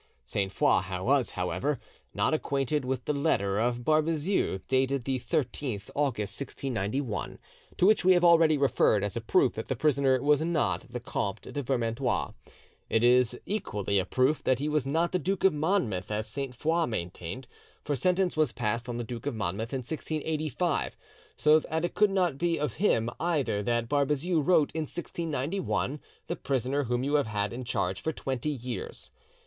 Sainte Foix was, however, not acquainted with the letter of Barbezieux, dated the 13th August 1691, to which we have already referred, as a proof that the prisoner was not the Comte de Vermandois; it is equally a proof that he was not the Duke of Monmouth, as Sainte Foix maintained; for sentence was passed on the Duke of Monmouth in 1685, so that it could not be of him either that Barbezieux wrote in 1691, "The prisoner whom you have had in charge for twenty years."